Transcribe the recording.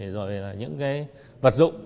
rồi là những cái vật dụng